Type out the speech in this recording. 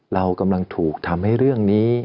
เรากำลังถูกทำให้เรื่องนี้